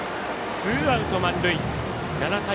ツーアウト、満塁、７対６。